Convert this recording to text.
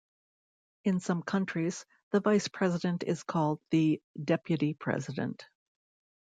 In some countries, the vice president is called the "deputy president".